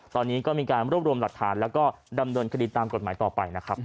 ตอนนี้ก็มีการรวบรวมหลักฐานแล้วก็ดำเนินคดีตามกฎหมายต่อไปนะครับ